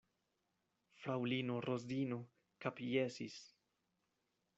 Fraŭlino Rozino kapjesis.